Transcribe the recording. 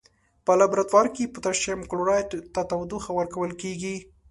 په لابراتوار کې پوتاشیم کلوریت ته تودوخه ورکول کیږي.